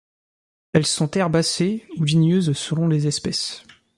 Elles sont herbacées ou ligneuses selon les espèces.